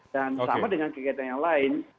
dan sama dengan kegiatan yang lain